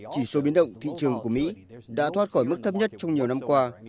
chỉ số biến động thị trường của mỹ đã thoát khỏi mức thấp nhất trong nhiều năm qua